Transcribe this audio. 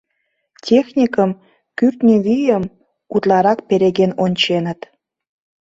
Техникым — кӱртньӧ вийым — утларак переген онченыт.